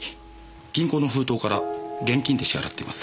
銀行の封筒から現金で支払っています。